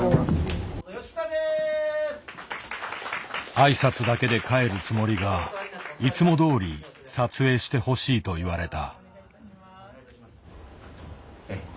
挨拶だけで帰るつもりがいつもどおり撮影してほしいと言われた。